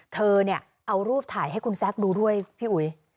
เธอเนี่ยเอารูปถ่ายให้คุณแซคดูด้วยพี่อุ๋ย